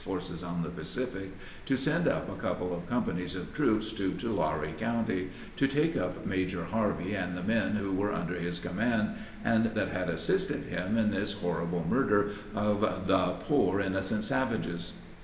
forces on the Pacific to send up a couple of companies of troops to Tulare County, to take up Major Harvey and the men that were under his command and that had assisted him in this horrible murder of "the poor innocent savages."